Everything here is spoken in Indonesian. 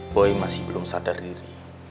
boy masih belum sadar diri